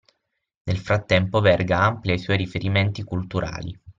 Nel frattempo Verga amplia i suoi riferimenti culturali